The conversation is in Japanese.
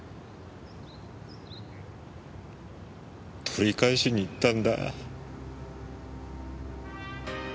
取り返しに行ったんだ。